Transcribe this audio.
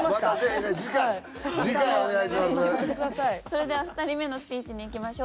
それでは２人目のスピーチにいきましょう。